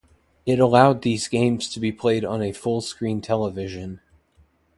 It allowed these games to be played on a full television screen.